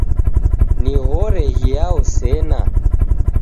Nighore ghiao sena